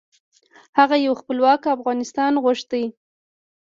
هغه یو خپلواک افغانستان غوښت .